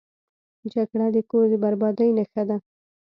جګړه د کور د بربادۍ نښه ده